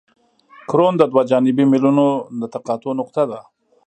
کرون د دوه جانبي میلونو د تقاطع نقطه ده